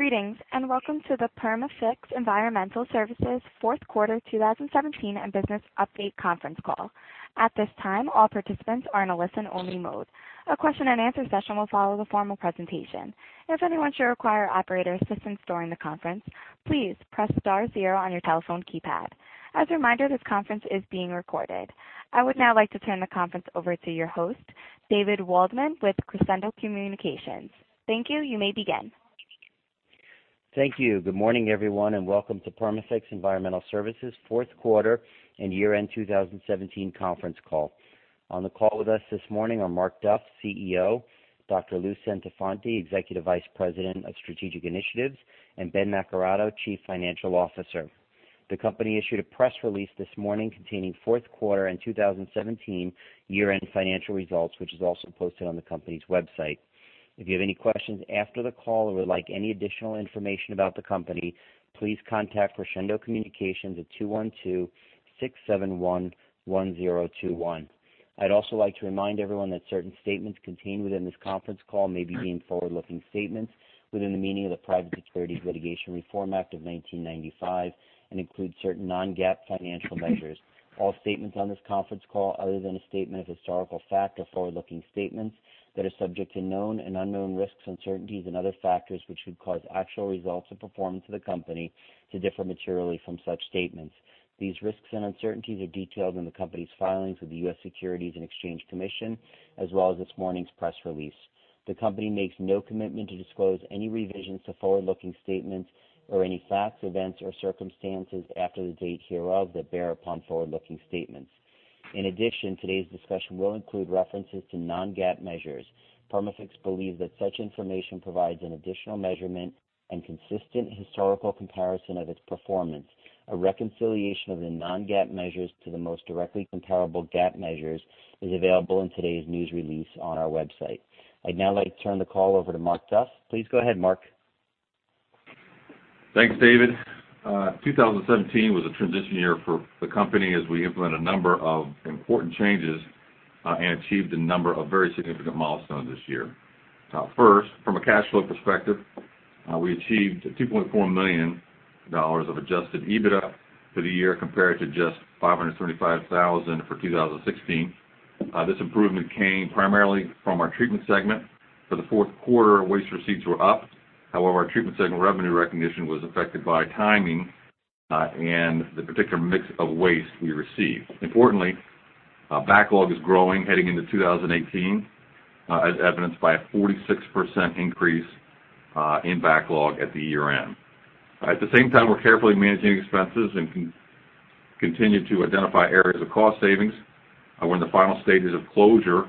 Greetings. Welcome to the Perma-Fix Environmental Services fourth quarter 2017 and business update conference call. At this time, all participants are in a listen-only mode. A question and answer session will follow the formal presentation. If anyone should require operator assistance during the conference, please press star zero on your telephone keypad. As a reminder, this conference is being recorded. I would now like to turn the conference over to your host, David Waldman with Crescendo Communications. Thank you. You may begin. Thank you. Good morning, everyone. Welcome to Perma-Fix Environmental Services' fourth quarter and year-end 2017 conference call. On the call with us this morning are Mark Duff, CEO, Dr. Lou Centofanti, Executive Vice President of Strategic Initiatives, and Ben Naccarato, Chief Financial Officer. The company issued a press release this morning containing fourth quarter and 2017 year-end financial results, which is also posted on the company's website. If you have any questions after the call or would like any additional information about the company, please contact Crescendo Communications at 212-671-1021. I'd also like to remind everyone that certain statements contained within this conference call may be deemed forward-looking statements within the meaning of the Private Securities Litigation Reform Act of 1995 and include certain non-GAAP financial measures. All statements on this conference call, other than a statement of historical fact, are forward-looking statements that are subject to known and unknown risks, uncertainties, and other factors which could cause actual results or performance of the company to differ materially from such statements. These risks and uncertainties are detailed in the company's filings with the U.S. Securities and Exchange Commission, as well as this morning's press release. The company makes no commitment to disclose any revisions to forward-looking statements or any facts, events, or circumstances after the date hereof that bear upon forward-looking statements. In addition, today's discussion will include references to non-GAAP measures. Perma-Fix believes that such information provides an additional measurement and consistent historical comparison of its performance. A reconciliation of the non-GAAP measures to the most directly comparable GAAP measures is available in today's news release on our website. I'd now like to turn the call over to Mark Duff. Please go ahead, Mark. Thanks, David. 2017 was a transition year for the company as we implement a number of important changes and achieved a number of very significant milestones this year. First, from a cash flow perspective, we achieved $2.4 million of adjusted EBITDA for the year compared to just $575,000 for 2016. This improvement came primarily from our treatment segment. For the fourth quarter, waste receipts were up. However, our treatment segment revenue recognition was affected by timing and the particular mix of waste we received. Importantly, backlog is growing heading into 2018, as evidenced by a 46% increase in backlog at the year-end. At the same time, we're carefully managing expenses and continue to identify areas of cost savings. We're in the final stages of closure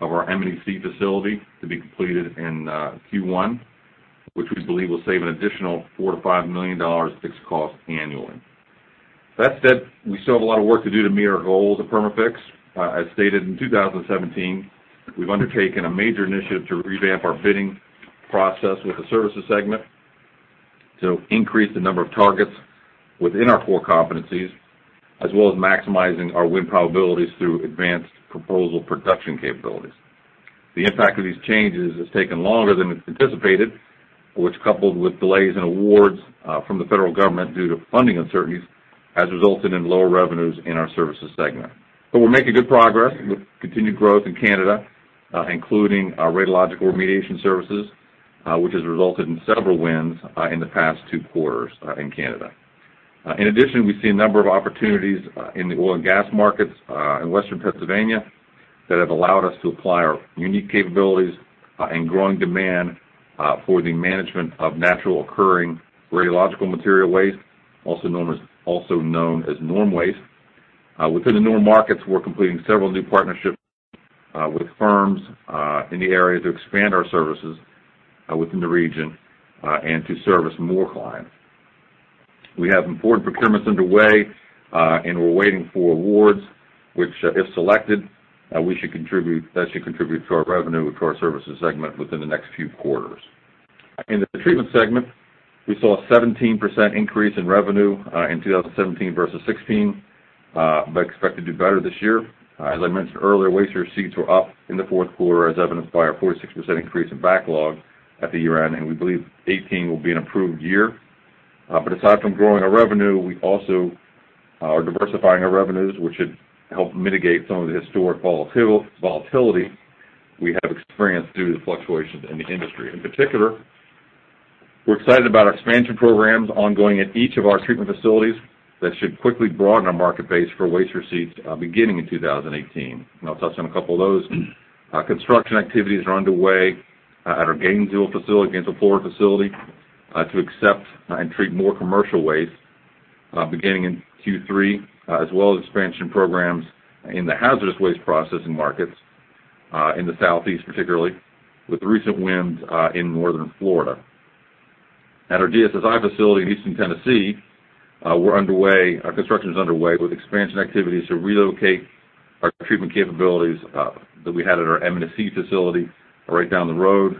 of our M&EC facility to be completed in Q1, which we believe will save an additional $4 million-$5 million fixed cost annually. That said, we still have a lot of work to do to meet our goals at Perma-Fix. As stated, in 2017, we've undertaken a major initiative to revamp our bidding process with the services segment to increase the number of targets within our core competencies, as well as maximizing our win probabilities through advanced proposal production capabilities. The impact of these changes has taken longer than we've anticipated, which, coupled with delays in awards from the federal government due to funding uncertainties, has resulted in lower revenues in our services segment. We're making good progress with continued growth in Canada, including our radiological remediation services, which has resulted in several wins in the past two quarters in Canada. In addition, we see a number of opportunities in the oil and gas markets in Western Pennsylvania that have allowed us to apply our unique capabilities and growing demand for the management of naturally occurring radiological material waste, also known as NORM waste. Within the NORM markets, we're completing several new partnerships with firms in the area to expand our services within the region and to service more clients. We have important procurements underway, and we're waiting for awards, which, if selected, that should contribute to our revenue to our services segment within the next few quarters. In the treatment segment, we saw a 17% increase in revenue in 2017 versus 2016, expect to do better this year. As I mentioned earlier, waste receipts were up in the fourth quarter, as evidenced by our 46% increase in backlog at the year-end, we believe 2018 will be an improved year. Aside from growing our revenue, we also are diversifying our revenues, which should help mitigate some of the historic volatility we have experienced due to the fluctuations in the industry. In particular, we're excited about our expansion programs ongoing at each of our treatment facilities that should quickly broaden our market base for waste receipts beginning in 2018, I'll touch on a couple of those. Construction activities are underway at our Gainesville facility, Gainesville, Florida facility, to accept and treat more commercial waste beginning in Q3, as well as expansion programs in the hazardous waste processing markets in the Southeast particularly, with recent wins in northern Florida. At our DSSI facility in Eastern Tennessee, our construction is underway with expansion activities to relocate our treatment capabilities that we had at our M&EC facility right down the road.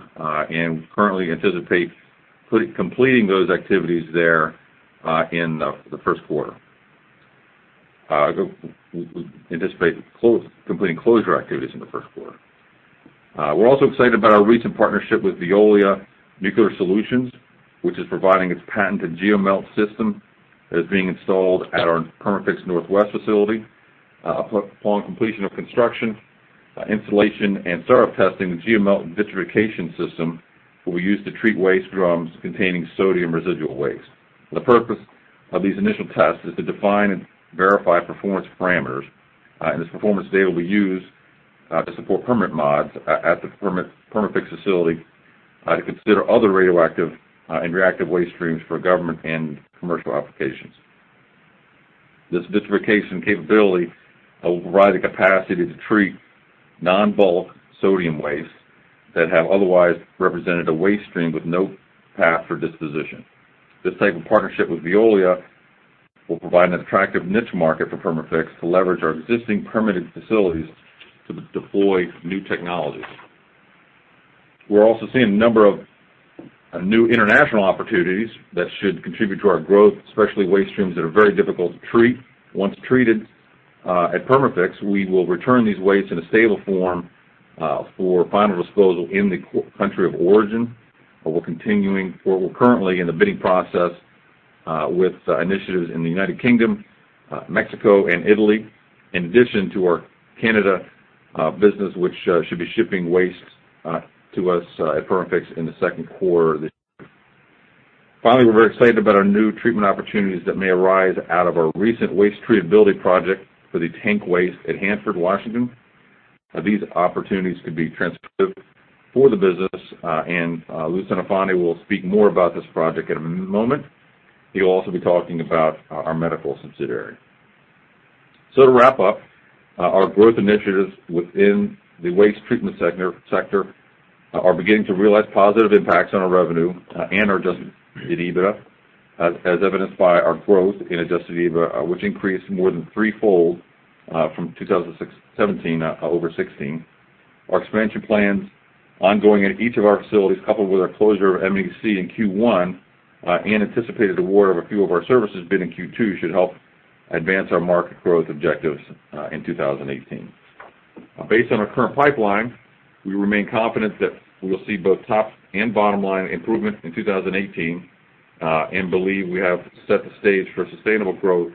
We currently anticipate completing those activities there in the first quarter. We anticipate completing closure activities in the first quarter. We're also excited about our recent partnership with Veolia Nuclear Solutions, which is providing its patented GeoMelt system that is being installed at our Perma-Fix Northwest facility. Upon completion of construction, installation, and startup testing, the GeoMelt and vitrification system will be used to treat waste drums containing sodium residual waste. The purpose of these initial tests is to define and verify performance parameters. This performance data will be used to support permit mods at the Perma-Fix facility to consider other radioactive and reactive waste streams for government and commercial applications. This vitrification capability will provide the capacity to treat non-bulk sodium waste that have otherwise represented a waste stream with no path for disposition. This type of partnership with Veolia will provide an attractive niche market for Perma-Fix to leverage our existing permitted facilities to deploy new technologies. We're also seeing a number of new international opportunities that should contribute to our growth, especially waste streams that are very difficult to treat. Once treated at Perma-Fix, we will return these wastes in a stable form for final disposal in the country of origin. We're currently in the bidding process with initiatives in the United Kingdom, Mexico, and Italy, in addition to our Canada business, which should be shipping waste to us at Perma-Fix in the second quarter of this year. Finally, we're very excited about our new treatment opportunities that may arise out of our recent waste treatability project for the tank waste at Hanford, Washington. These opportunities could be transformative for the business. Lou Centofanti will speak more about this project in a moment. He'll also be talking about our medical subsidiary. To wrap up, our growth initiatives within the waste treatment sector are beginning to realize positive impacts on our revenue and our adjusted EBITDA, as evidenced by our growth in adjusted EBITDA, which increased more than threefold from 2017 over 2016. Our expansion plans ongoing at each of our facilities, coupled with our closure of M&EC in Q1 and anticipated award of a few of our services bid in Q2, should help advance our market growth objectives in 2018. Based on our current pipeline, we remain confident that we will see both top and bottom-line improvements in 2018 and believe we have set the stage for sustainable growth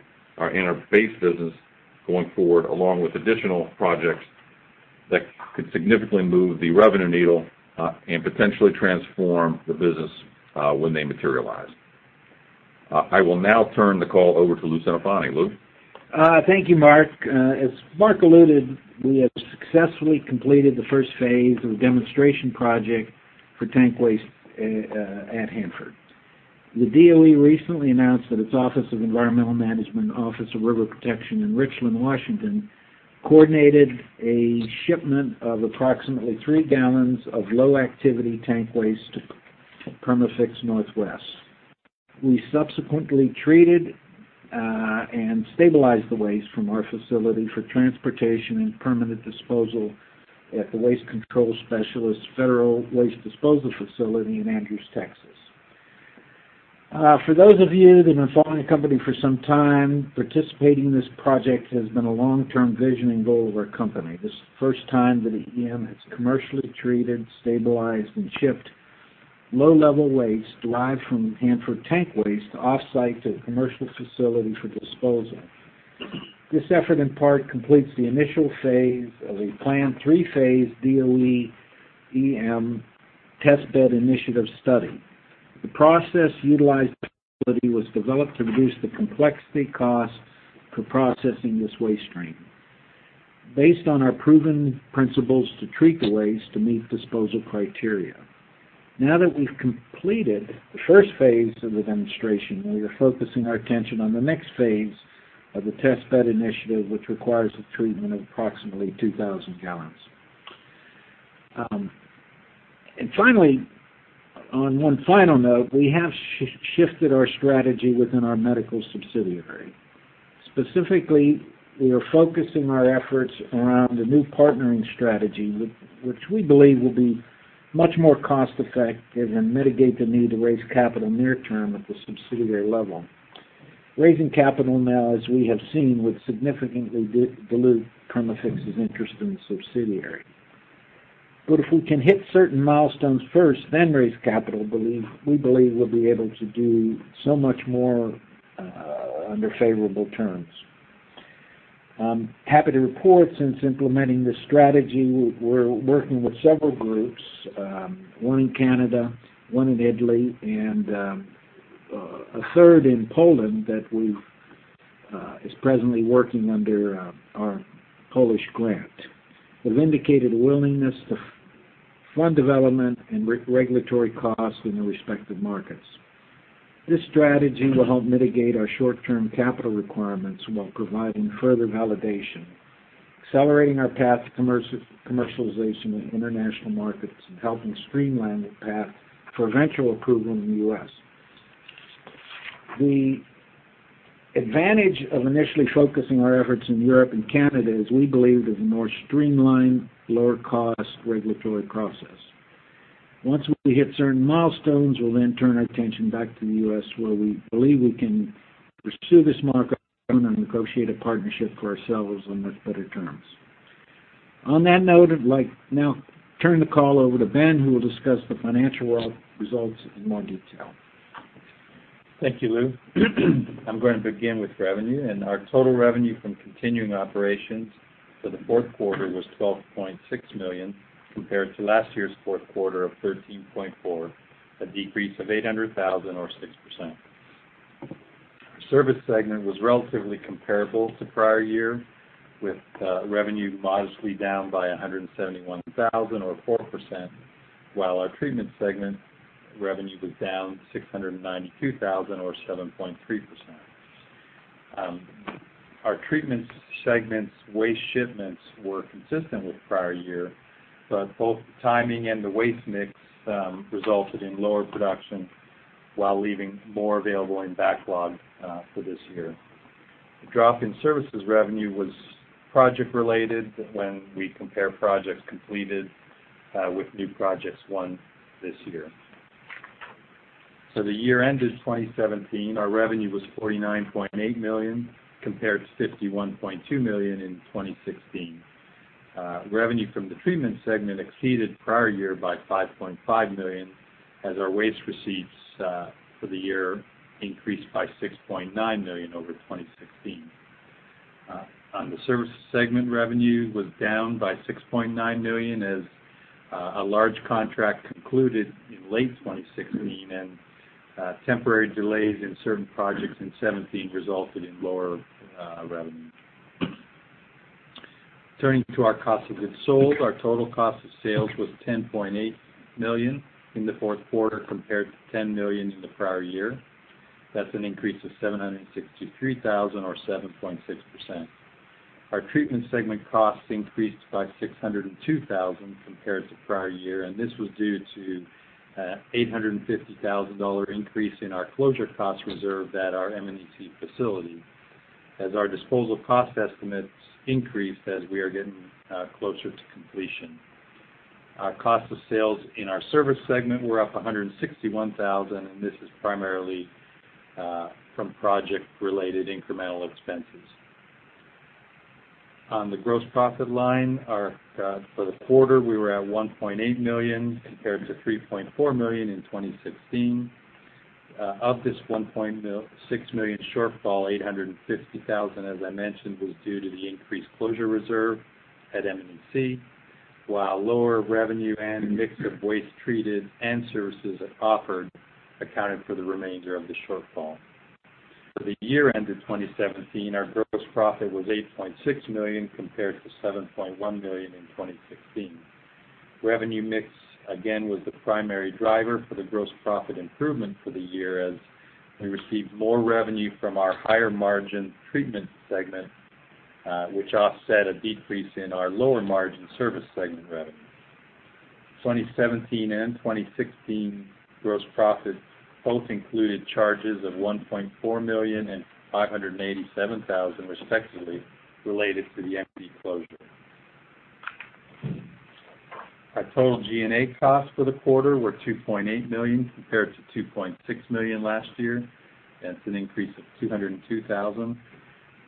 in our base business going forward, along with additional projects that could significantly move the revenue needle and potentially transform the business when they materialize. I will now turn the call over to Lou Centofanti. Lou? Thank you, Mark. As Mark alluded, we have successfully completed the first phase of a demonstration project for tank waste at Hanford. The DOE recently announced that its Office of Environmental Management, Office of River Protection in Richland, Washington, coordinated a shipment of approximately three gallons of low-activity tank waste to Perma-Fix Northwest. We subsequently treated and stabilized the waste from our facility for transportation and permanent disposal at the Waste Control Specialists' federal waste disposal facility in Andrews, Texas. For those of you that have been following the company for some time, participating in this project has been a long-term vision and goal of our company. This is the first time that EM has commercially treated, stabilized, and shipped low-level waste derived from Hanford tank waste off-site to a commercial facility for disposal. This effort, in part, completes the initial phase of a planned three-phase DOE EM Test Bed Initiative study. The process utilized at the facility was developed to reduce the complexity costs for processing this waste stream based on our proven principles to treat the waste to meet disposal criteria. Now that we've completed the first phase of the demonstration, we are focusing our attention on the next phase of the Test Bed Initiative, which requires the treatment of approximately 2,000 gallons. Finally, on one final note, we have shifted our strategy within our medical subsidiary. Specifically, we are focusing our efforts around a new partnering strategy, which we believe will be much more cost-effective and mitigate the need to raise capital near-term at the subsidiary level. Raising capital now, as we have seen, would significantly dilute Perma-Fix's interest in the subsidiary. If we can hit certain milestones first, then raise capital, we believe we'll be able to do so much more under favorable terms. I'm happy to report since implementing this strategy, we're working with several groups, one in Canada, one in Italy, and a third in Poland that is presently working under our Polish grant. They've indicated a willingness to fund development and regulatory costs in their respective markets. This strategy will help mitigate our short-term capital requirements while providing further validation, accelerating our path to commercialization in international markets, and helping streamline the path for eventual approval in the U.S. The advantage of initially focusing our efforts in Europe and Canada is we believe there's a more streamlined, lower cost regulatory process. Once we hit certain milestones, we'll then turn our attention back to the U.S. where we believe we can pursue this market and negotiate a partnership for ourselves on much better terms. On that note, I'd like now turn the call over to Ben, who will discuss the financial results in more detail. Thank you, Lou. Our total revenue from continuing operations for the fourth quarter was $12.6 million compared to last year's fourth quarter of $13.4 million, a decrease of $800,000 or 6%. Services segment was relatively comparable to prior year with revenue modestly down by $171,000 or 4%, while our treatment segment revenue was down $692,000 or 7.3%. Our treatment segment's waste shipments were consistent with prior year, both the timing and the waste mix resulted in lower production while leaving more available in backlog for this year. The drop in services revenue was project-related when we compare projects completed with new projects won this year. The year ended 2017, our revenue was $49.8 million, compared to $51.2 million in 2016. Revenue from the treatment segment exceeded prior year by $5.5 million, as our waste receipts for the year increased by $6.9 million over 2016. On the services segment, revenue was down by $6.9 million as a large contract concluded in late 2016 and temporary delays in certain projects in 2017 resulted in lower revenue. Turning to our cost of goods sold, our total cost of sales was $10.8 million in the fourth quarter compared to $10 million in the prior year. That's an increase of $763,000 or 7.6%. Our treatment segment costs increased by $602,000 compared to prior year, this was due to an $850,000 increase in our closure cost reserve at our M&EC facility as our disposal cost estimates increased as we are getting closer to completion. Our cost of sales in our Services segment were up $161,000, this is primarily from project-related incremental expenses. On the gross profit line, for the quarter, we were at $1.8 million compared to $3.4 million in 2016. Of this $1.6 million shortfall, $850,000, as I mentioned, was due to the increased closure reserve at M&EC, while lower revenue and mix of waste treated and services offered accounted for the remainder of the shortfall. For the year ended 2017, our gross profit was $8.6 million compared to $7.1 million in 2016. Revenue mix, again, was the primary driver for the gross profit improvement for the year as we received more revenue from our higher margin treatment segment, which offset a decrease in our lower margin Services segment revenue. 2017 and 2016 gross profit both included charges of $1.4 million and $587,000, respectively, related to the M&EC closure. Our total G&A costs for the quarter were $2.8 million compared to $2.6 million last year. That's an increase of $202,000.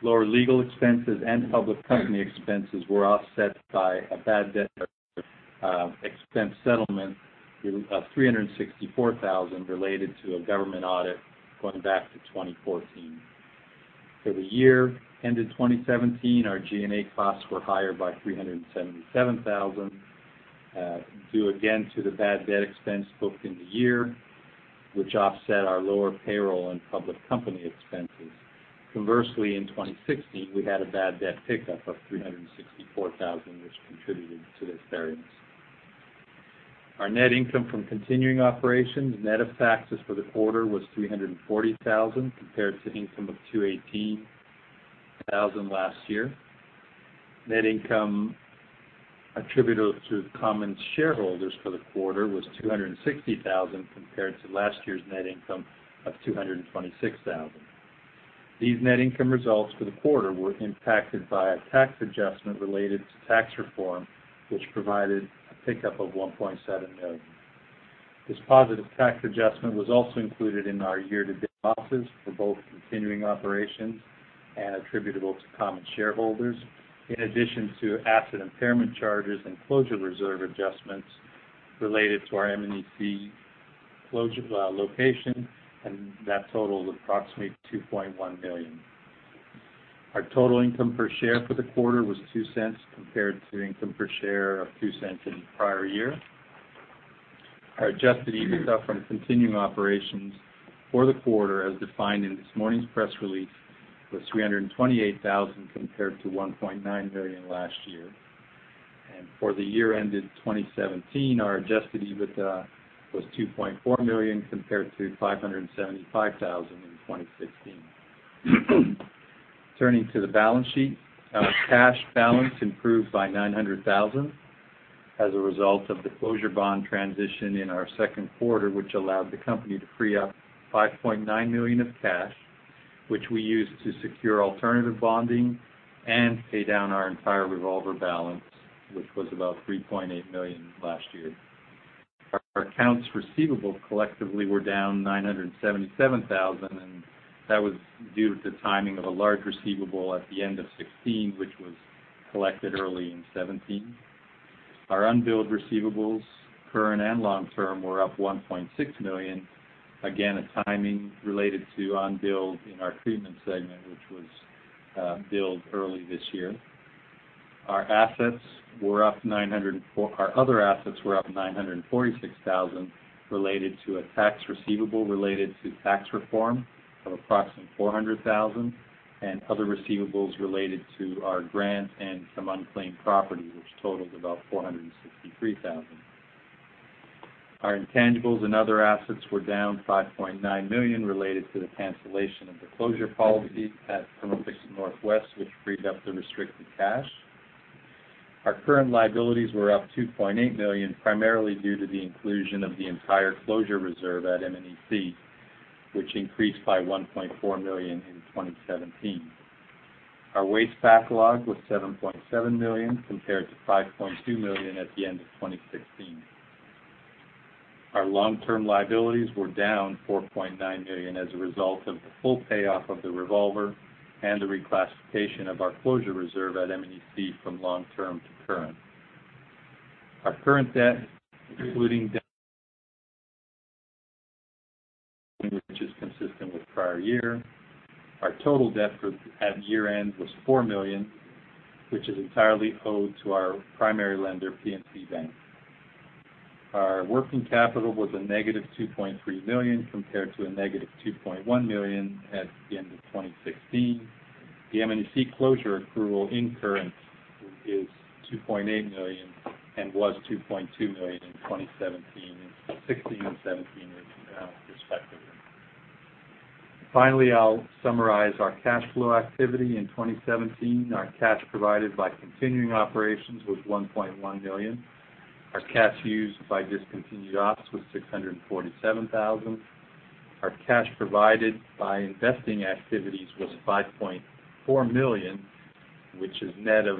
Lower legal expenses and public company expenses were offset by a bad debt expense settlement of $364,000 related to a government audit going back to 2014. For the year ended 2017, our G&A costs were higher by $377,000, due again to the bad debt expense booked in the year, which offset our lower payroll and public company expenses. Conversely, in 2016, we had a bad debt pickup of $364,000, which contributed to this variance. Our net income from continuing operations, net of taxes for the quarter, was $340,000 compared to the income of $218,000 last year. Net income attributable to the common shareholders for the quarter was $260,000 compared to last year's net income of $226,000. These net income results for the quarter were impacted by a tax adjustment related to tax reform, which provided a pickup of $1.7 million. This positive tax adjustment was also included in our year-to-date losses for both continuing operations and attributable to common shareholders, in addition to asset impairment charges and closure reserve adjustments related to our M&EC location, and that totaled approximately $2.1 million. Our total income per share for the quarter was $0.02 compared to income per share of $0.02 in the prior year. Our adjusted EBITDA from continuing operations for the quarter, as defined in this morning's press release, was $328,000 compared to $1.9 million last year. For the year ended 2017, our adjusted EBITDA was $2.4 million compared to $575,000 in 2016. Turning to the balance sheet. Our cash balance improved by $900,000 as a result of the closure bond transition in our second quarter, which allowed the company to free up $5.9 million of cash. Which we used to secure alternative bonding and pay down our entire revolver balance, which was about $3.8 million last year. Our accounts receivable collectively were down $977,000. That was due to the timing of a large receivable at the end of 2016, which was collected early in 2017. Our unbilled receivables, current and long-term, were up $1.6 million. Again, a timing related to unbilled in our treatment segment, which was billed early this year. Our other assets were up $946,000 related to a tax receivable related to tax reform of approximately $400,000 and other receivables related to our grant and some unclaimed property, which totals about $463,000. Our intangibles and other assets were down $5.9 million related to the cancellation of the closure policy at Perma-Fix Northwest, which freed up the restricted cash. Our current liabilities were up $2.8 million, primarily due to the inclusion of the entire closure reserve at M&EC, which increased by $1.4 million in 2017. Our waste backlog was $7.7 million compared to $5.2 million at the end of 2016. Our long-term liabilities were down $4.9 million as a result of the full payoff of the revolver and the reclassification of our closure reserve at M&EC from long-term to current. Our current debt, including debt which is consistent with prior year. Our total debt at year-end was $4 million, which is entirely owed to our primary lender, PNC Bank. Our working capital was a negative $2.3 million, compared to a negative $2.1 million at the end of 2016. The M&EC closure accrual in current is $2.8 million and was $2.2 million in 2017, 2016 and 2017 respectively. Finally, I'll summarize our cash flow activity in 2017. Our cash provided by continuing operations was $1.1 million. Our cash used by discontinued ops was $647,000. Our cash provided by investing activities was $5.4 million, which is net of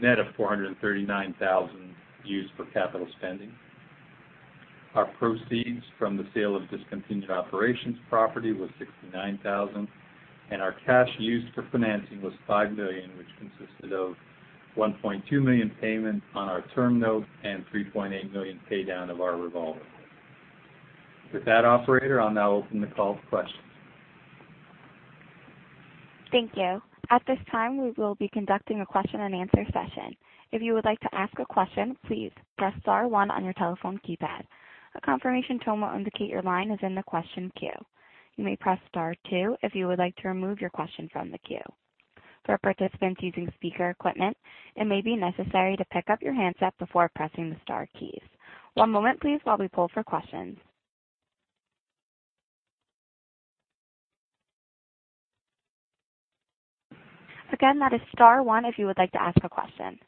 $439,000 used for capital spending. Our proceeds from the sale of discontinued operations property was $69,000. Our cash used for financing was $5 million, which consisted of $1.2 million payment on our term note and $3.8 million pay down of our revolver. With that, operator, I'll now open the call to questions. Thank you. At this time, we will be conducting a question and answer session. If you would like to ask a question, please press star one on your telephone keypad. A confirmation tone will indicate your line is in the question queue. You may press star two if you would like to remove your question from the queue. For participants using speaker equipment, it may be necessary to pick up your handset before pressing the star keys. One moment please, while we pull for questions. Again, that is star one if you would like to ask a question.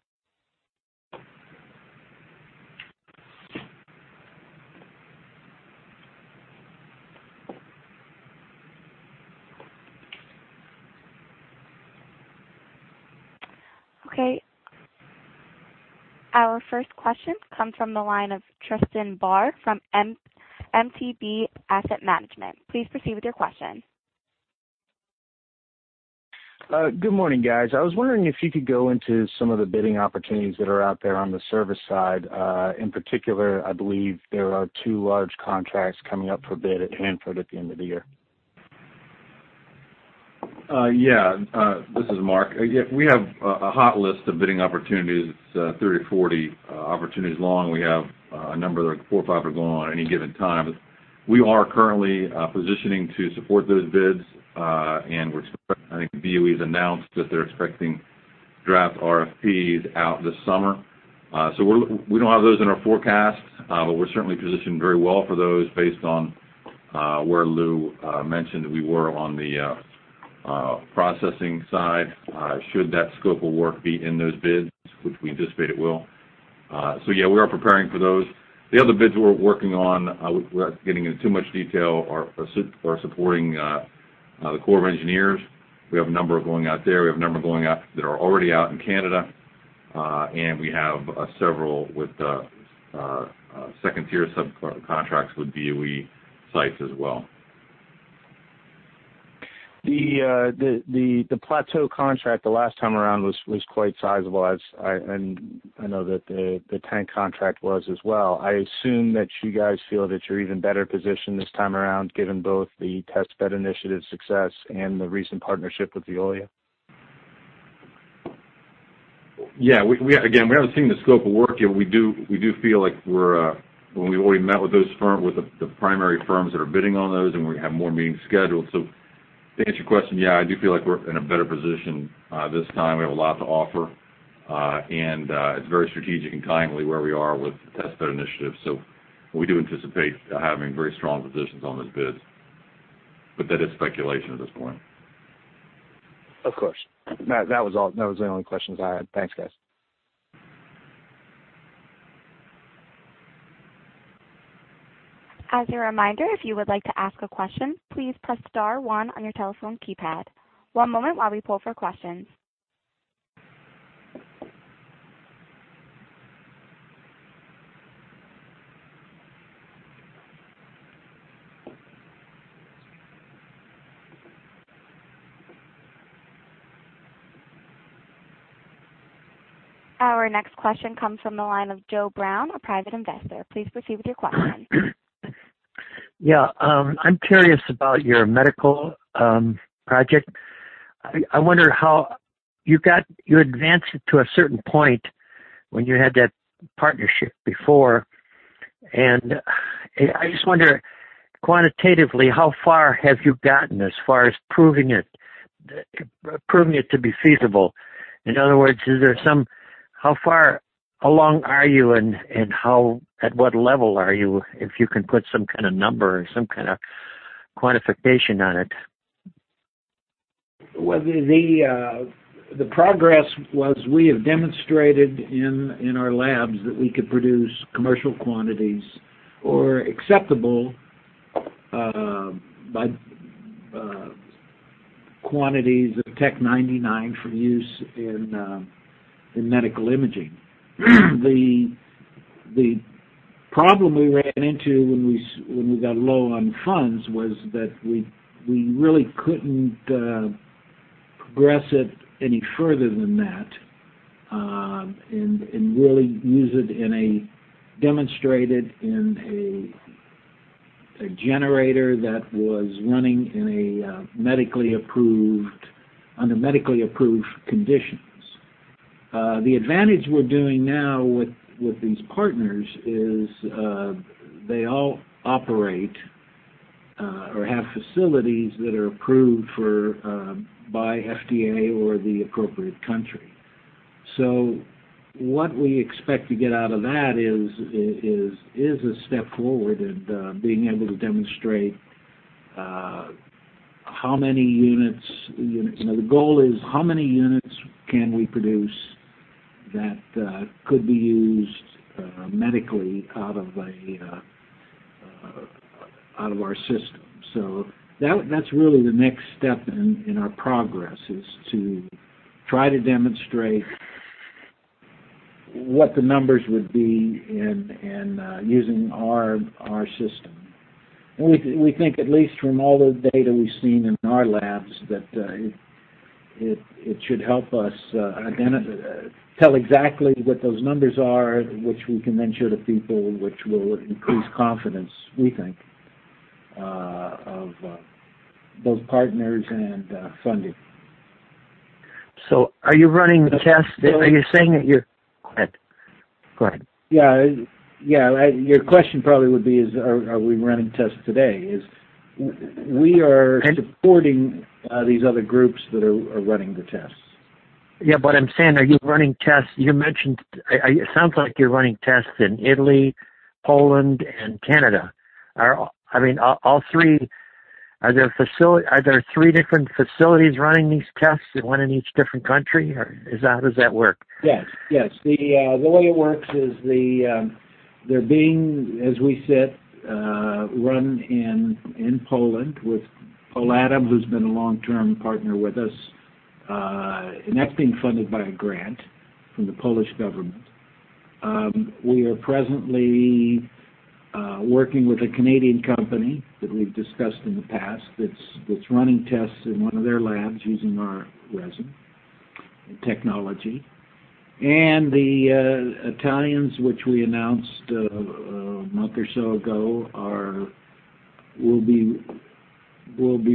Okay. Our first question comes from the line of Tristan Barr from MTB Asset Management. Please proceed with your question. Good morning, guys. I was wondering if you could go into some of the bidding opportunities that are out there on the service side. In particular, I believe there are two large contracts coming up for bid at Hanford at the end of the year. Yeah. This is Mark. Yeah, we have a hot list of bidding opportunities. It's 30 or 40 opportunities long. We have a number, like four or five are going on any given time. We are currently positioning to support those bids, I think DOE's announced that they're expecting draft RFPs out this summer. We don't have those in our forecasts, but we're certainly positioned very well for those based on where Lou mentioned we were on the processing side, should that scope of work be in those bids, which we anticipate it will. We are preparing for those. The other bids we're working on, without getting into too much detail, are supporting the Corps of Engineers. We have a number going out there. We have a number that are already out in Canada. We have several with second-tier subcontracts with DOE sites as well. The Plateau contract the last time around was quite sizable, and I know that the tank contract was as well. I assume that you guys feel that you're even better positioned this time around given both the Test Bed Initiative success and the recent partnership with Veolia. Again, we haven't seen the scope of work yet. We do feel like we've already met with the primary firms that are bidding on those, and we have more meetings scheduled. To answer your question, I do feel like we're in a better position this time. We have a lot to offer. It's very strategic and timely where we are with the Test Bed Initiative. We do anticipate having very strong positions on those bids. That is speculation at this point. Of course. That was the only questions I had. Thanks, guys. As a reminder, if you would like to ask a question, please press star one on your telephone keypad. One moment while we poll for questions. Our next question comes from the line of Joe Brown, a private investor. Please proceed with your question. I'm curious about your medical project. I wonder how you advanced it to a certain point when you had that partnership before, and I just wonder, quantitatively, how far have you gotten as far as proving it to be feasible? In other words, how far along are you and at what level are you, if you can put some kind of number or some kind of quantification on it? Well, the progress was we have demonstrated in our labs that we could produce commercial quantities or acceptable quantities of Tc-99m for use in medical imaging. The problem we ran into when we got low on funds was that we really couldn't progress it any further than that, and really demonstrate it in a generator that was running under medically approved conditions. The advantage we're doing now with these partners is they all operate or have facilities that are approved by FDA or the appropriate country. What we expect to get out of that is a step forward in being able to demonstrate how many units. The goal is how many units can we produce that could be used medically out of our system. That's really the next step in our progress, is to try to demonstrate what the numbers would be in using our system. We think at least from all the data we've seen in our labs, that it should help us tell exactly what those numbers are, which we can then show to people which will increase confidence, we think, of both partners and funding. Are you running the test? Are you saying that you're Go ahead. Yeah. Your question probably would be, are we running tests today? We are supporting these other groups that are running the tests. I'm saying, are you running tests? It sounds like you're running tests in Italy, Poland, and Canada. Are there three different facilities running these tests, one in each different country, or how does that work? Yes. The way it works is they're being, as we said, run in Poland with POLATOM, who's been a long-term partner with us. That's being funded by a grant from the Polish government. We are presently working with a Canadian company that we've discussed in the past that's running tests in one of their labs using our resin and technology. The Italians, which we announced a month or so ago, will be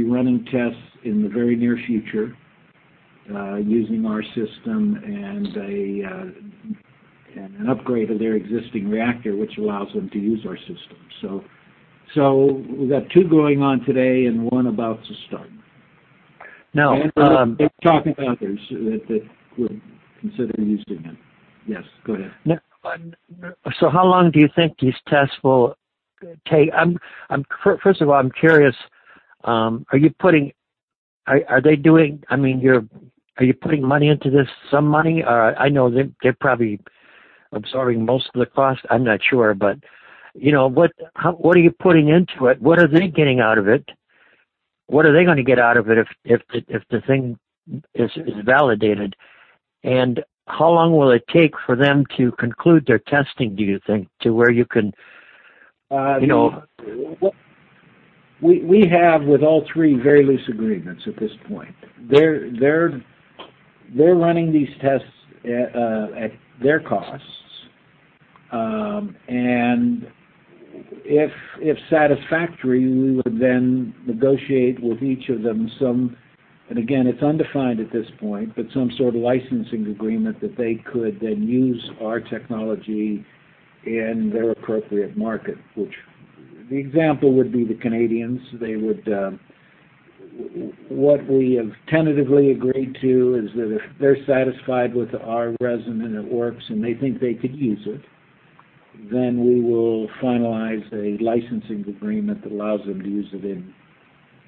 running tests in the very near future using our system and an upgrade of their existing reactor, which allows them to use our system. We've got two going on today and one about to start. Now- We're talking to others that would consider using it. Yes, go ahead. How long do you think these tests will take? First of all, I'm curious, are you putting money into this, some money? I know they're probably absorbing most of the cost. I'm not sure, what are you putting into it? What are they getting out of it? What are they going to get out of it if the thing is validated? How long will it take for them to conclude their testing, do you think, to where you can We have with all three very loose agreements at this point. They're running these tests at their costs. If satisfactory, we would then negotiate with each of them some, and again, it's undefined at this point, but some sort of licensing agreement that they could then use our technology in their appropriate market. The example would be the Canadians. What we have tentatively agreed to is that if they're satisfied with our resin and it works and they think they could use it, then we will finalize a licensing agreement that allows them to use it in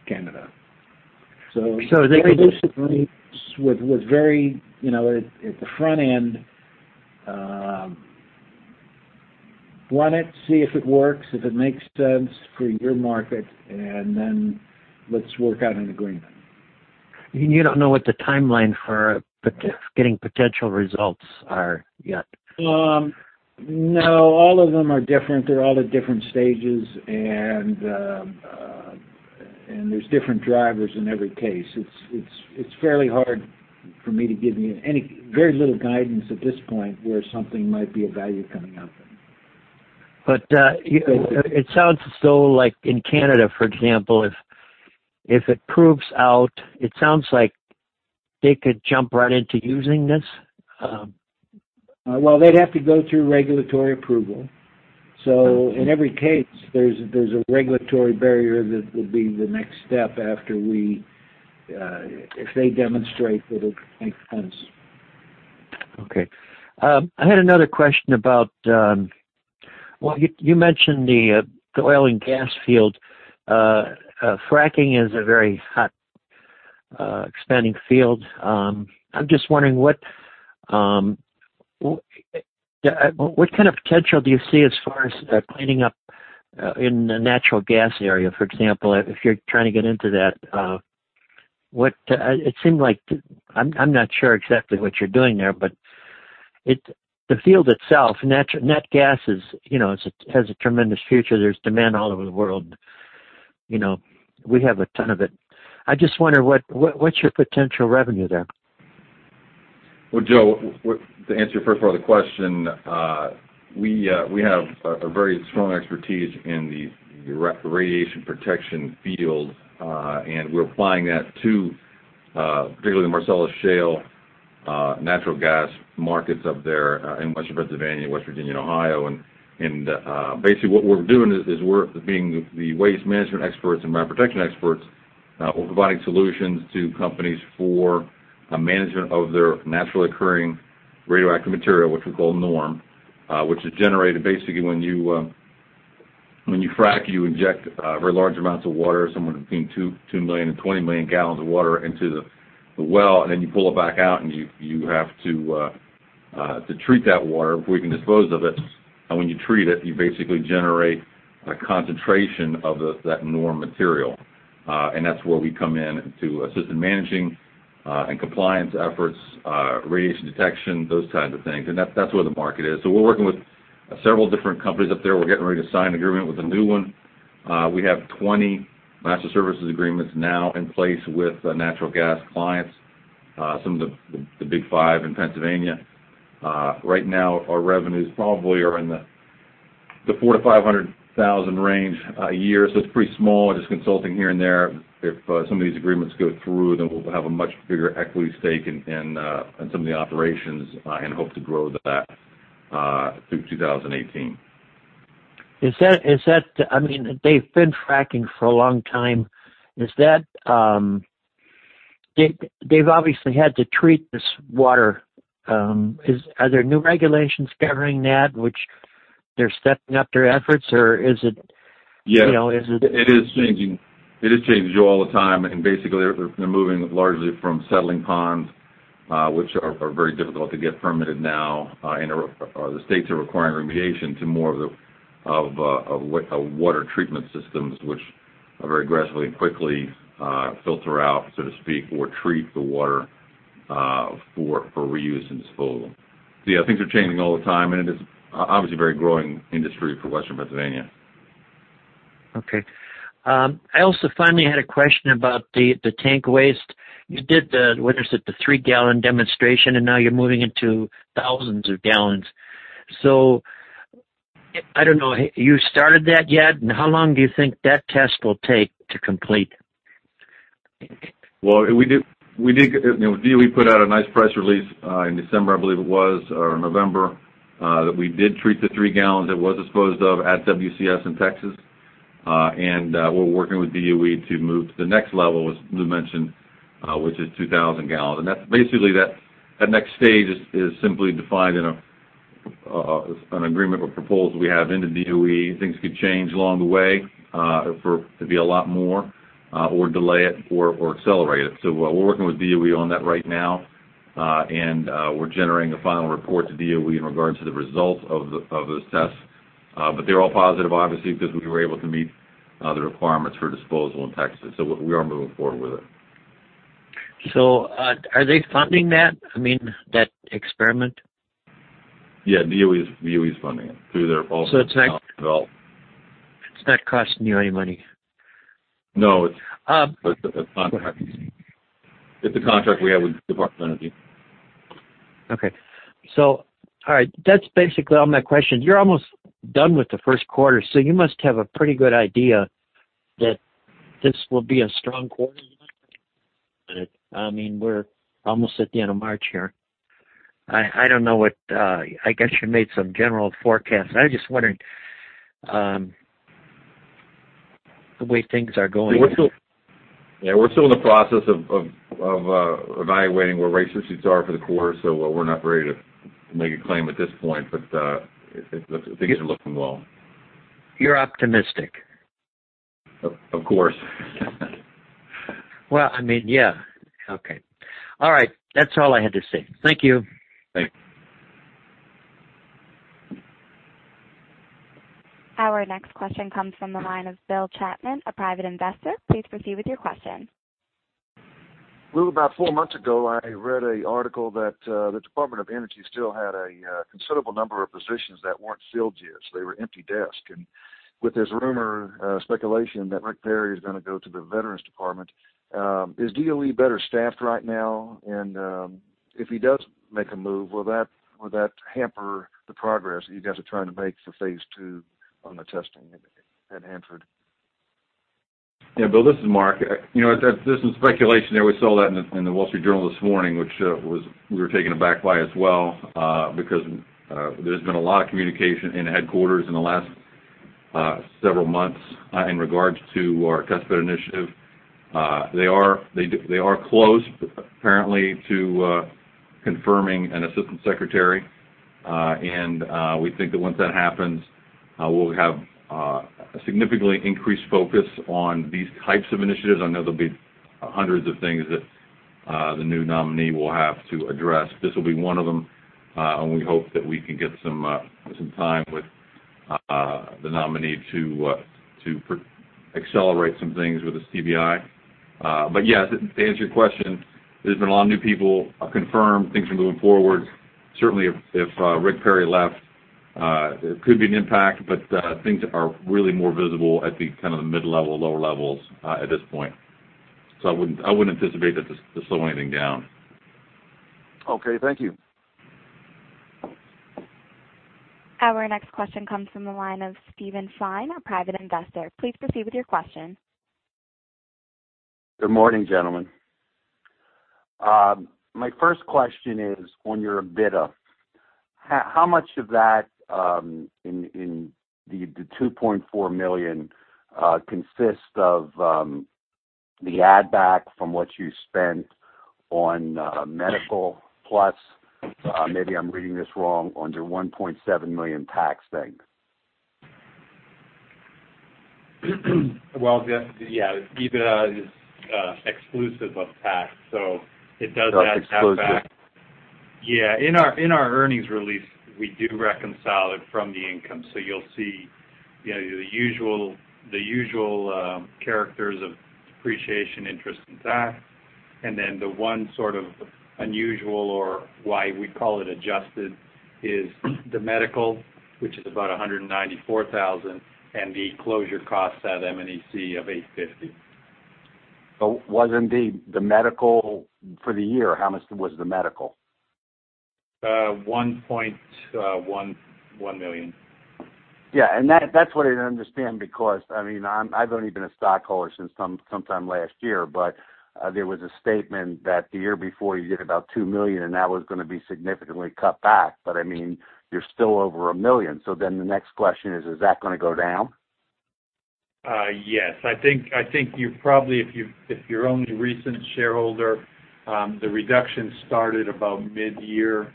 Canada. The initial reach was very, at the front end, run it, see if it works, if it makes sense for your market, and then let's work out an agreement. You don't know what the timeline for getting potential results are yet? No, all of them are different. They're all at different stages, and there's different drivers in every case. It's fairly hard for me to give you any, very little guidance at this point where something might be of value coming out. It sounds as though, like in Canada, for example, if it proves out, it sounds like they could jump right into using this? They'd have to go through regulatory approval. In every case, there's a regulatory barrier that would be the next step if they demonstrate that it makes sense. Okay. I had another question about, well, you mentioned the oil and gas field. Fracking is a very hot, expanding field. I'm just wondering what kind of potential do you see as far as cleaning up in the natural gas area, for example, if you're trying to get into that? I'm not sure exactly what you're doing there, but the field itself, natural gas has a tremendous future. There's demand all over the world. We have a ton of it. I just wonder what's your potential revenue there? Well, Joe, to answer your first part of the question, we have a very strong expertise in the radiation protection field. We're applying that to, particularly Marcellus Shale, natural gas markets up there in Western Pennsylvania, West Virginia, and Ohio. Basically what we're doing is we're, being the waste management experts and rad protection experts, we're providing solutions to companies for management of their naturally occurring radioactive material, which we call NORM. Which is generated basically when you frack, you inject very large amounts of water, somewhere between 2 million and 20 million gallons of water into the well, and then you pull it back out, and you have to treat that water before you can dispose of it. When you treat it, you basically generate a concentration of that NORM material. That's where we come in to assist in managing and compliance efforts, radiation detection, those types of things. That's where the market is. We're working with several different companies up there. We're getting ready to sign an agreement with a new one. We have 20 master services agreements now in place with natural gas clients, some of the big five in Pennsylvania. Right now, our revenues probably are in the $400,000-$500,000 range a year. It's pretty small, just consulting here and there. If some of these agreements go through, we'll have a much bigger equity stake in some of the operations and hope to grow that through 2018. They've been fracking for a long time. They've obviously had to treat this water. Are there new regulations governing that, which they're stepping up their efforts? Or is it- Yes. It is changing. It is changing all the time. Basically, they're moving largely from settling ponds, which are very difficult to get permitted now. The states are requiring remediation to more of a water treatment systems which very aggressively and quickly filter out, so to speak, or treat the water for reuse and disposal. Things are changing all the time, and it is obviously a very growing industry for Western Pennsylvania. Okay. I also finally had a question about the tank waste. You did the, what is it, the three-gallon demonstration, and now you're moving into thousands of gallons. I don't know. You started that yet? How long do you think that test will take to complete? Well, DOE put out a nice press release in December, I believe it was, or November, that we did treat the three gallons. It was disposed of at WCS in Texas. We're working with DOE to move to the next level, as Lou mentioned, which is 2,000 gallons. Basically, that next stage is simply defined in an agreement, a proposal we have into DOE. Things could change along the way, to be a lot more or delay it or accelerate it. We're working with DOE on that right now. We're generating a final report to DOE in regards to the results of those tests. They're all positive, obviously, because we were able to meet the requirements for disposal in Texas. We are moving forward with it. Are they funding that experiment? Yeah. DOE's funding it through their office of nuclear development. It's not costing you any money. No, it's a contract we have with the Department of Energy. Okay. All right. That's basically all my questions. You're almost done with the first quarter, you must have a pretty good idea that this will be a strong quarter. I mean, we're almost at the end of March here. I guess you made some general forecasts. I was just wondering the way things are going. Yeah, we're still in the process of evaluating where rates and suits are for the quarter. We're not ready to make a claim at this point. Things are looking well. You're optimistic? Of course. Well, I mean, yeah. Okay. All right. That's all I had to say. Thank you. Thank you. Our next question comes from the line of Bill Chapman, a private investor. Please proceed with your question. Lou, about four months ago, I read an article that the Department of Energy still had a considerable number of positions that weren't filled yet, so they were empty desks. With this rumor, speculation that Rick Perry is going to go to the Veterans Department, is DOE better staffed right now? If he does make a move, will that hamper the progress that you guys are trying to make for phase 2 on the testing at Hanford? Yeah, Bill, this is Mark. There is some speculation there. We saw that in the Wall Street Journal this morning, which we were taken aback by as well, because there has been a lot of communication in headquarters in the last several months in regards to our customer initiative. They are close, apparently, to confirming an assistant secretary. We think that once that happens, we will have a significantly increased focus on these types of initiatives. I know there will be hundreds of things that the new nominee will have to address. This will be one of them, and we hope that we can get some time with the nominee to accelerate some things with the TBI. To answer your question, there has been a lot of new people confirmed. Things are moving forward. Certainly, if Rick Perry left, there could be an impact, but things are really more visible at the mid-level, lower levels at this point. I would not anticipate that this will slow anything down. Okay. Thank you. Our next question comes from the line of Steven Fine, a private investor. Please proceed with your question. Good morning, gentlemen. My first question is on your EBITDA. How much of that in the $2.4 million consists of the add back from what you spent on medical, plus, maybe I'm reading this wrong, on your $1.7 million tax thing? Well, yeah, EBITDA is exclusive of tax. It does add that back. Oh, exclusive. Yeah. In our earnings release, we do reconcile it from the income. You'll see the usual characters of depreciation, interest, and tax. The one sort of unusual, or why we call it adjusted, is the medical, which is about $194,000, and the closure costs at M&EC of $850. wasn't the medical for the year, how much was the medical? $1.1 million. Yeah. That's what I didn't understand because I've only been a stockholder since sometime last year, but there was a statement that the year before you did about $2 million, and that was going to be significantly cut back. You're still over $1 million. The next question is: Is that going to go down? Yes. I think you probably, if you're only a recent shareholder, the reduction started about mid-year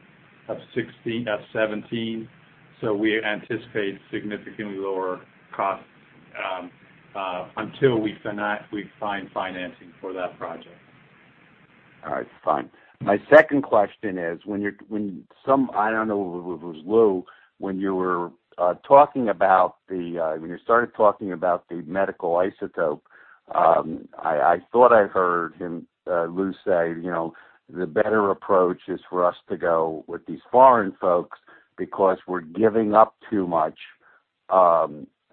of 2017. We anticipate significantly lower costs until we find financing for that project. All right, fine. My second question is, I don't know if it was Lou, when you started talking about the medical isotope, I thought I heard Lou say, the better approach is for us to go with these foreign folks because we're giving up too much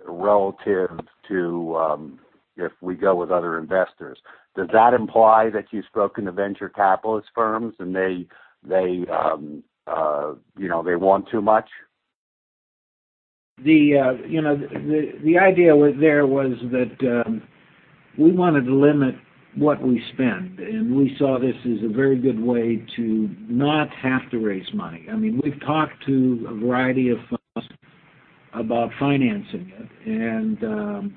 relative to if we go with other investors. Does that imply that you've spoken to venture capitalist firms, and they want too much? The idea there was that we wanted to limit what we spend, and we saw this as a very good way to not have to raise money. We've talked to a variety of firms about financing it, and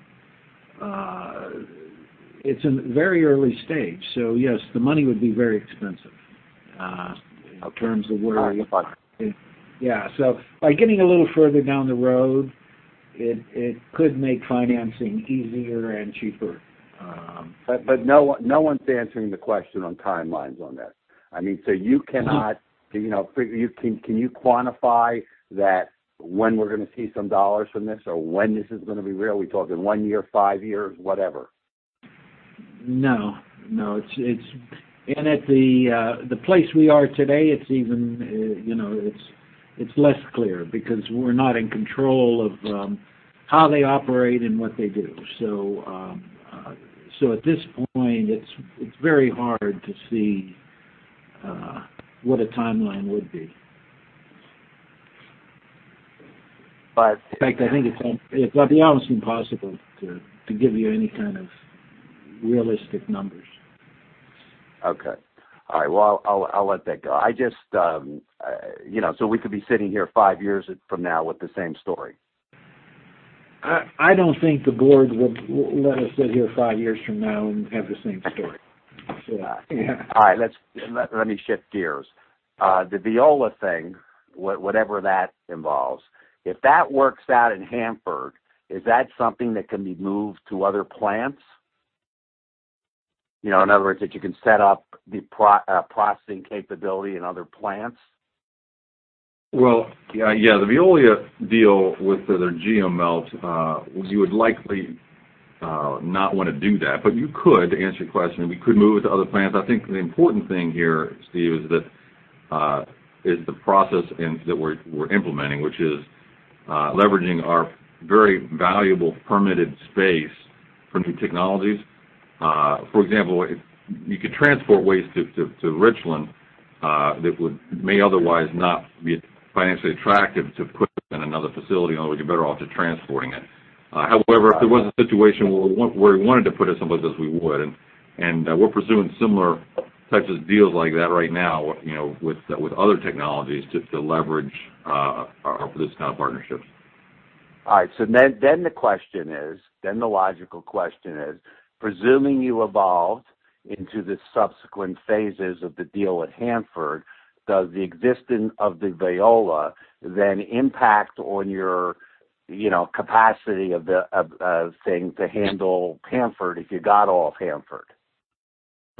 it's in a very early stage. Yes, the money would be very expensive. I understand. Yeah. By getting a little further down the road, it could make financing easier and cheaper. No one's answering the question on timelines on this. Can you quantify that when we're going to see some dollars from this or when this is going to be real? Are we talking one year, five years, whatever? No, no. At the place we are today, it's less clear because we're not in control of how they operate and what they do. At this point, it's very hard to see what a timeline would be. But- In fact, I think it'd be almost impossible to give you any kind of realistic numbers. Okay. All right. Well, I'll let that go. We could be sitting here five years from now with the same story? I don't think the board would let us sit here five years from now and have the same story. Yeah. All right. Let me shift gears. The Veolia thing, whatever that involves, if that works out in Hanford, is that something that can be moved to other plants? In other words, that you can set up the processing capability in other plants? Well, yeah. The Veolia deal with their GeoMelt, you would likely not want to do that. You could, to answer your question, we could move it to other plants. I think the important thing here, Steve, is the process that we're implementing, which is leveraging our very valuable permitted space for new technologies. For example, you could transport waste to Richland, that may otherwise not be financially attractive to put in another facility, and we'd be better off just transporting it. However, if there was a situation where we wanted to put it someplace else, we would. We're pursuing similar types of deals like that right now, with other technologies to leverage this kind of partnership. All right. The logical question is, presuming you evolved into the subsequent phases of the deal at Hanford, does the existence of the Veolia then impact on your capacity of the thing to handle Hanford if you got all of Hanford?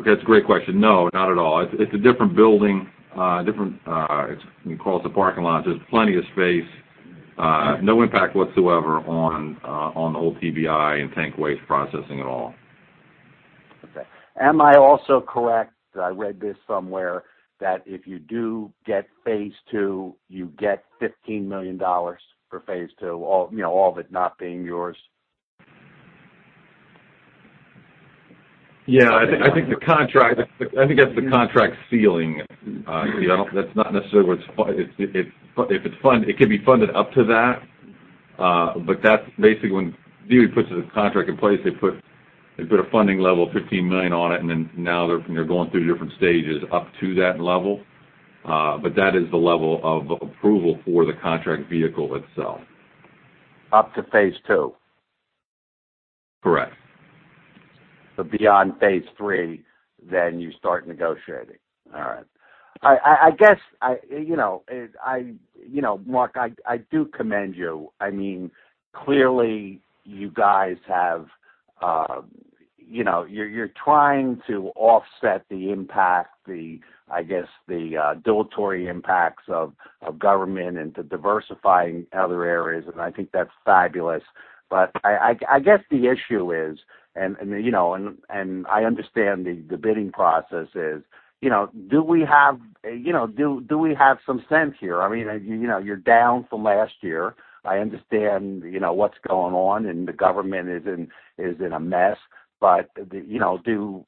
Okay, that's a great question. No, not at all. It's a different building, It's across the parking lot. There's plenty of space. No impact whatsoever on old TBI and tank waste processing at all. Okay. Am I also correct, I read this somewhere, that if you do get phase II, you get $15 million for phase II, all of it not being yours? Yeah. I think that's the contract ceiling. That's not necessarily what's It could be funded up to that. That's basically when DOE puts a contract in place, they put a funding level of $15 million on it, now they're going through different stages up to that level. That is the level of approval for the contract vehicle itself. Up to phase II? Correct. beyond phase III, you start negotiating. All right. Mark, I do commend you. Clearly, you're trying to offset the impact, the dilatory impacts of government into diversifying other areas. I think that's fabulous. I guess the issue is, I understand the bidding process is, do we have some sense here? You're down from last year. I understand what's going on, the government is in a mess. Do you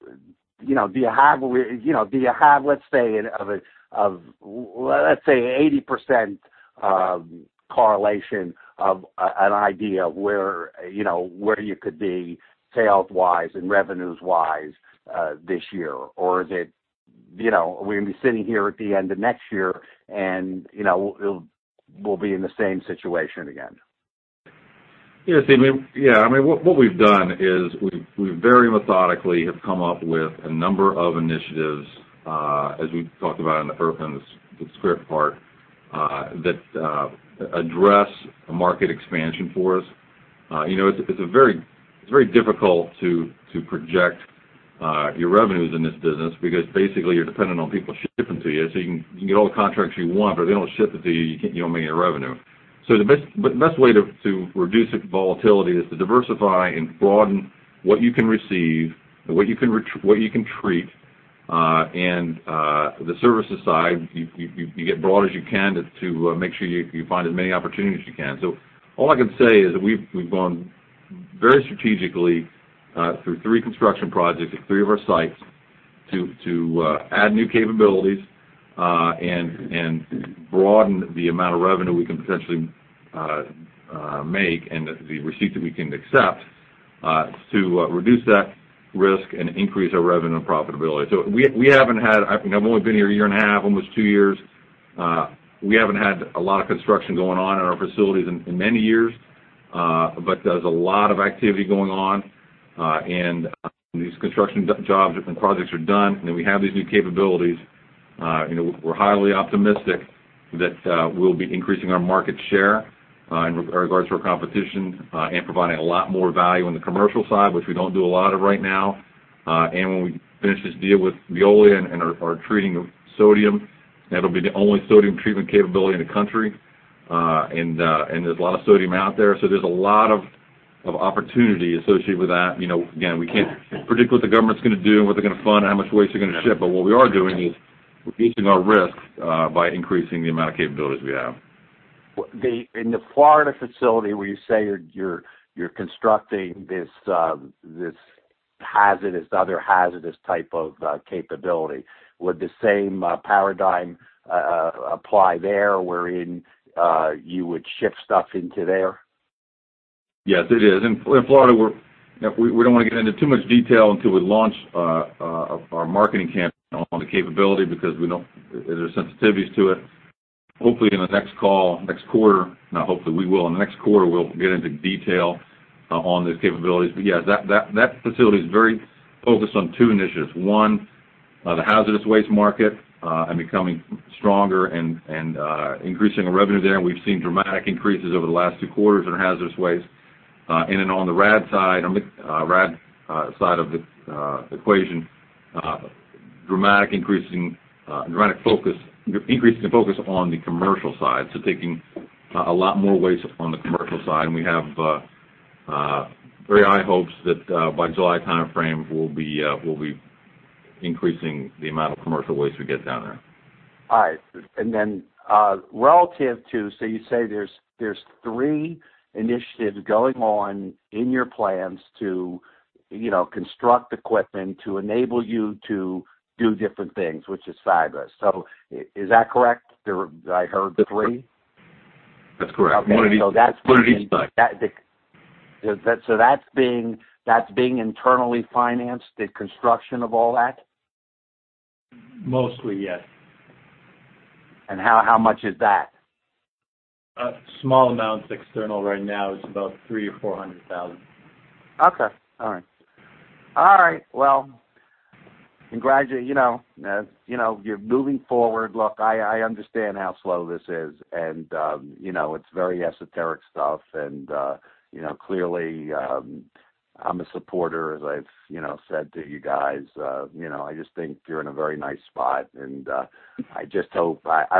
have, let's say, 80% correlation of an idea of where you could be sales-wise and revenues-wise this year? Or are we going to be sitting here at the end of next year and we'll be in the same situation again? Steve. What we've done is we very methodically have come up with a number of initiatives, as we've talked about in the (earth moves script part), that address market expansion for us. It's very difficult to project your revenues in this business because basically you're dependent on people shipping to you. You can get all the contracts you want, if they don't ship it to you don't make any revenue. The best way to reduce the volatility is to diversify and broaden what you can receive and what you can treat. The services side, you get broad as you can to make sure you find as many opportunities as you can. All I can say is that we've gone very strategically through 3 construction projects at 3 of our sites to add new capabilities and broaden the amount of revenue we can potentially make and the receipts that we can accept to reduce that risk and increase our revenue and profitability. I've only been here 1 year and a half, almost 2 years. We haven't had a lot of construction going on in our facilities in many years. There's a lot of activity going on, these construction jobs and projects are done, we have these new capabilities. We're highly optimistic that we'll be increasing our market share in regards to our competition and providing a lot more value on the commercial side, which we don't do a lot of right now. When we finish this deal with Veolia and our treating of sodium, that'll be the only sodium treatment capability in the country. There's a lot of sodium out there's a lot of opportunity associated with that. Again, we can't predict what the government's going to do, what they're going to fund, how much waste they're going to ship. What we are doing is reducing our risk by increasing the amount of capabilities we have. In the Florida facility where you say you're constructing this other hazardous type of capability, would the same paradigm apply there wherein you would ship stuff into there? Yes, it is. In Florida, we don't want to get into too much detail until we launch our marketing campaign on the capability because there's sensitivities to it. Hopefully in the next call, next quarter Not hopefully. We will. In the next quarter, we'll get into detail on those capabilities. Yes, that facility is very focused on 2 initiatives. One, the hazardous waste market and becoming stronger and increasing our revenue there, and we've seen dramatic increases over the last 2 quarters in hazardous waste. On the RAD side of the equation, dramatic increase in focus on the commercial side. Taking a lot more waste on the commercial side, and we have very high hopes that by July timeframe, we'll be increasing the amount of commercial waste we get down there. All right. Relative to, you say there's 3 initiatives going on in your plans to construct equipment to enable you to do different things, which is fabulous. Is that correct? Did I heard the 3? That's correct. One in each site. That's being internally financed, the construction of all that? Mostly, yes. How much is that? Small amounts external right now. It's about $300,000 or $400,000. Okay. All right. Well, congratulations. You're moving forward. Look, I understand how slow this is, and it's very esoteric stuff and clearly, I'm a supporter, as I've said to you guys. I just think you're in a very nice spot, and I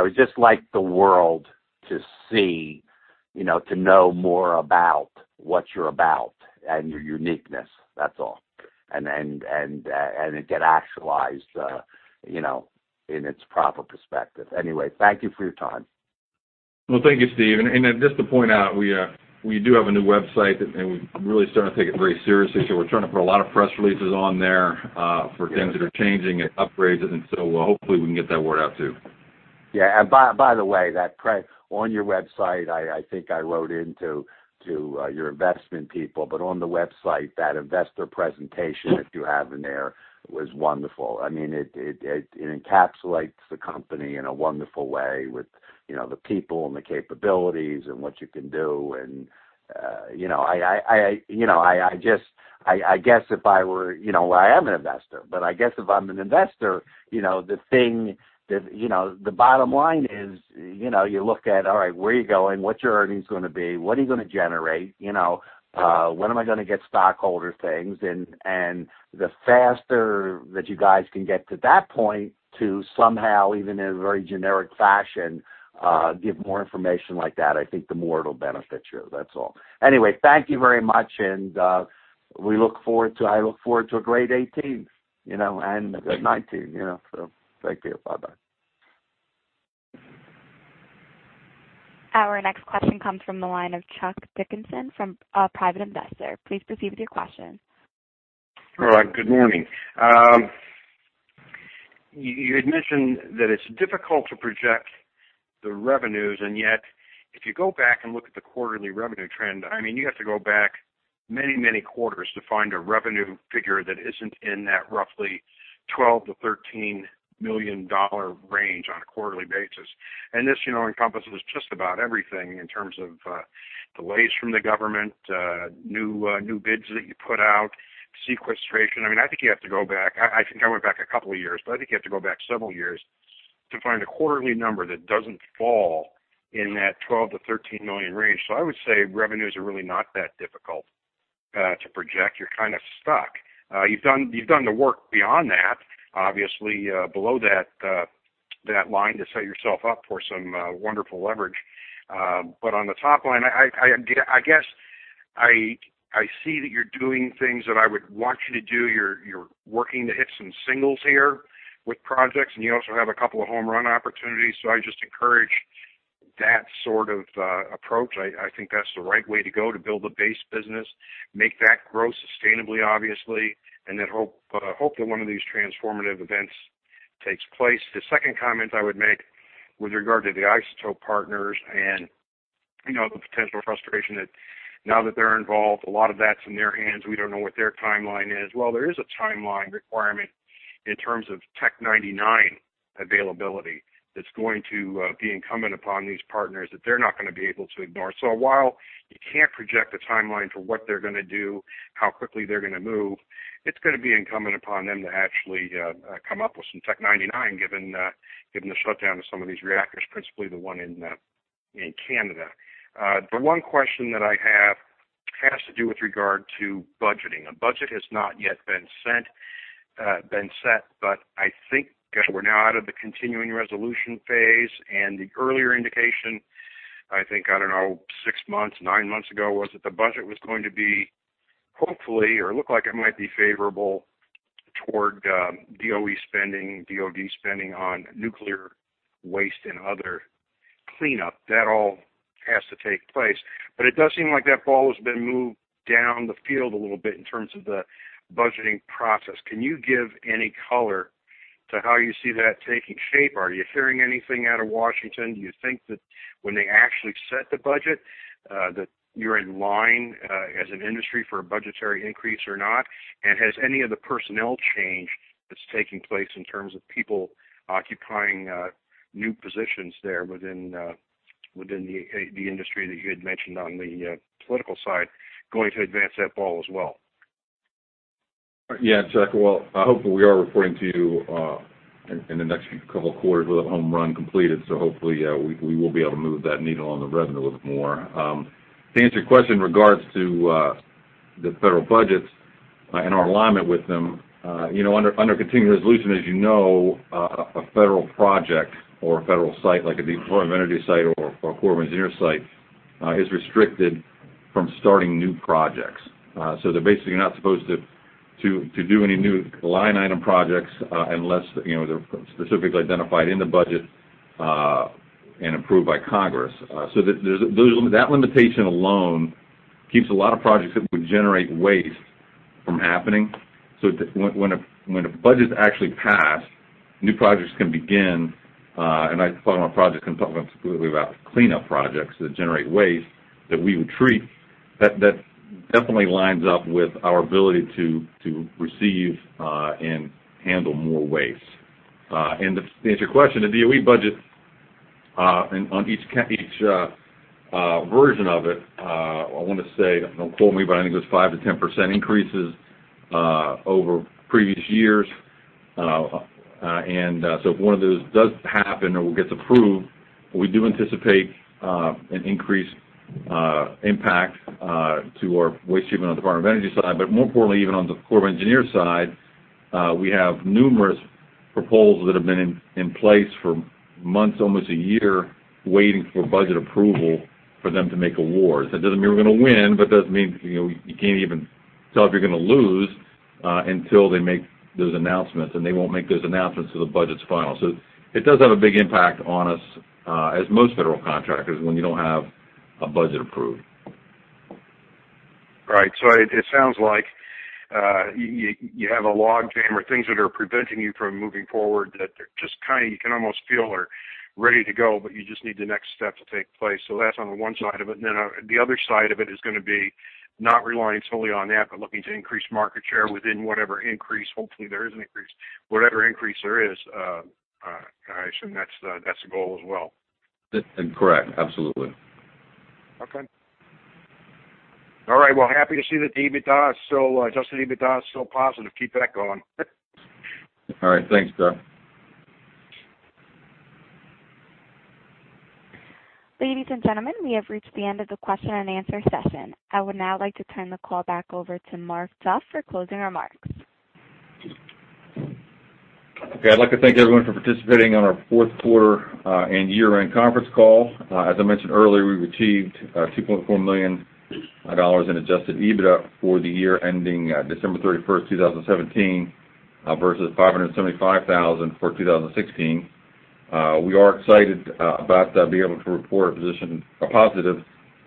would just like the world to see, to know more about what you're about and your uniqueness. That's all. It get actualized in its proper perspective. Thank you for your time. Well, thank you, Steve. Just to point out, we do have a new website and we're really starting to take it very seriously. We're trying to put a lot of press releases on there for things that are changing and upgrades. Hopefully, we can get that word out, too. Yeah. By the way, on your website, I think I wrote into your investment people, but on the website, that investor presentation that you have in there was wonderful. It encapsulates the company in a wonderful way with the people and the capabilities and what you can do. I am an investor, but I guess if I'm an investor, the bottom line is, you look at, all right, where are you going? What's your earnings going to be? What are you going to generate? When am I going to get stockholder things? The faster that you guys can get to that point to somehow, even in a very generic fashion, give more information like that, I think the more it'll benefit you. That's all. Thank you very much and I look forward to a great 2018, and a good 2019. Thank you. Bye-bye. Our next question comes from the line of Chuck Dickinson from Private Investor. Please proceed with your question. All right, good morning. You had mentioned that it's difficult to project the revenues. Yet, if you go back and look at the quarterly revenue trend, you have to go back many quarters to find a revenue figure that isn't in that roughly $12 million to $13 million range on a quarterly basis. This encompasses just about everything in terms of delays from the government, new bids that you put out, sequestration. I think you have to go back I think I went back a couple of years, but I think you have to go back several years to find a quarterly number that doesn't fall in that $12 million to $13 million range. I would say revenues are really not that difficult to project. You're kind of stuck. You've done the work beyond that, obviously, below that line to set yourself up for some wonderful leverage. On the top line, I guess I see that you're doing things that I would want you to do. You're working to hit some singles here with projects, and you also have a couple of home run opportunities. I just encourage that sort of approach. I think that's the right way to go to build a base business, make that grow sustainably, obviously, and then hope that one of these transformative events takes place. The second comment I would make with regard to the isotope partners and the potential frustration that now that they're involved, a lot of that's in their hands. We don't know what their timeline is. Well, there is a timeline requirement in terms of Tc-99m availability that's going to be incumbent upon these partners that they're not going to be able to ignore. While you can't project a timeline for what they're going to do, how quickly they're going to move, it's going to be incumbent upon them to actually come up with some Tc-99m, given the shutdown of some of these reactors, principally the one in Canada. The one question that I have has to do with regard to budgeting. A budget has not yet been set, but I think because we're now out of the continuing resolution phase and the earlier indication, I think, I don't know, six months, nine months ago, was that the budget was going to be hopefully, or it looked like it might be favorable toward DOE spending, DOD spending on nuclear waste and other cleanup. That all has to take place. It does seem like that ball has been moved down the field a little bit in terms of the budgeting process. Can you give any color to how you see that taking shape? Are you hearing anything out of Washington? Do you think that when they actually set the budget, that you're in line as an industry for a budgetary increase or not? Has any of the personnel change that's taking place in terms of people occupying new positions there Within the industry that you had mentioned on the political side, going to advance that ball as well. Yeah, Chuck, well, hopefully we are reporting to you in the next couple of quarters with a home run completed, hopefully, we will be able to move that needle on the revenue a little bit more. To answer your question in regards to the federal budgets and our alignment with them, under continuing resolution, as you know, a federal project or a federal site, like a Department of Energy site or a Corps of Engineers site, is restricted from starting new projects. They're basically not supposed to do any new line-item projects unless they're specifically identified in the budget, and approved by Congress. That limitation alone keeps a lot of projects that would generate waste from happening. When the budget's actually passed, new projects can begin. I'm talking about projects, I'm talking specifically about cleanup projects that generate waste that we would treat. That definitely lines up with our ability to receive and handle more waste. To answer your question, the DOE budget, on each version of it, I want to say, don't quote me, but I think it was 5%-10% increases over previous years. If one of those does happen or gets approved, we do anticipate an increased impact to our waste treatment on the Department of Energy side. More importantly, even on the Corps of Engineers side, we have numerous proposals that have been in place for months, almost a year, waiting for budget approval for them to make awards. That doesn't mean we're going to win, but that means you can't even tell if you're going to lose until they make those announcements. They won't make those announcements till the budget's final. It does have a big impact on us, as most federal contractors, when you don't have a budget approved. Right. It sounds like you have a log jam or things that are preventing you from moving forward, that they're just kind of, you can almost feel are ready to go, but you just need the next step to take place. That's on the one side of it. Then the other side of it is going to be not relying solely on that, but looking to increase market share within whatever increase, hopefully there is an increase, whatever increase there is. I assume that's the goal as well. Correct. Absolutely. Okay. All right, well, happy to see the adjusted EBITDA is still positive. Keep that going. All right. Thanks, Chuck. Ladies and gentlemen, we have reached the end of the question and answer session. I would now like to turn the call back over to Mark Duff for closing remarks. Okay. I'd like to thank everyone for participating on our fourth quarter and year-end conference call. As I mentioned earlier, we reported $2.4 million in adjusted EBITDA for the year ending December 31st, 2017, versus $575,000 for 2016. We are excited about being able to report a positive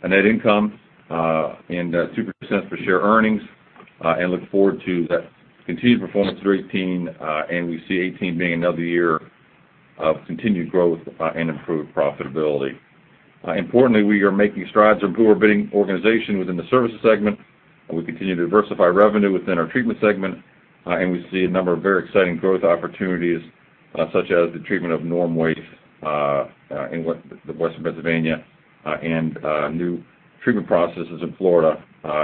net income and $0.02 per share earnings, look forward to that continued performance through 2018. We see 2018 being another year of continued growth and improved profitability. Importantly, we are making strides in core bidding organization within the services segment, and we continue to diversify revenue within our treatment segment. We see a number of very exciting growth opportunities, such as the treatment of NORM waste in Western Pennsylvania, new treatment processes in Florida,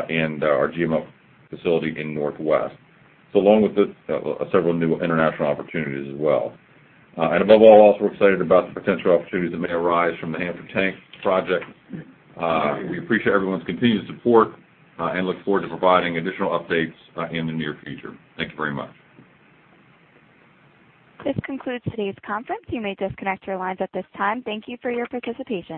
and our GeoMelt facility in Perma-Fix Northwest. Along with this, several new international opportunities as well. Above all, also we're excited about the potential opportunities that may arise from the Hanford Tank Project. We appreciate everyone's continued support, and look forward to providing additional updates in the near future. Thank you very much. This concludes today's conference. You may disconnect your lines at this time. Thank you for your participation.